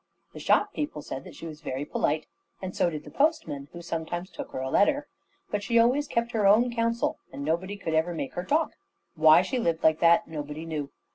The shop people said that she was very polite, and so did the postman, who sometimes took her a letter. But she always kept her own counsel, and nobody could ever make her talk. Why she lived like that, nobody knew.